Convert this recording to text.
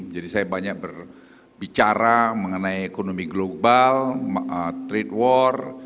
jadi saya banyak berbicara mengenai ekonomi global trade war